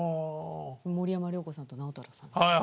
森山良子さんと直太朗さんみたいな。